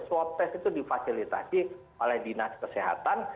swab test itu difasilitasi oleh dinas kesehatan